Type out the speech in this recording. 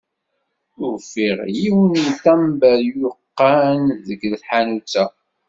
Ufiɣ yiwen n tamber yuqan deg tḥanut-a.